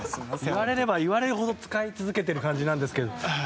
言われれば言われるほど使い続けている感じなんですけど。